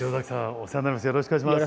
お世話になります。